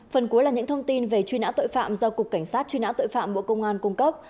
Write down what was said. phần cuối là những thông tin về truy nã tội phạm do cục cảnh sát truy nã tội phạm bộ công an cung cấp